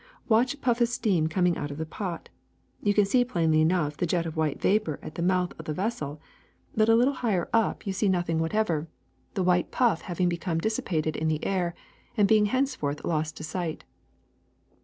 Watch a puff of steam coming out of the pot. You can see plainly enough the jet of white vapor at the mouth of the vessel, but a little higher up you 33a THE SECRET OF EVERYDAY THINGS see nothing whatever, the white puff having become dissipated in the air and being henceforth lost to sight.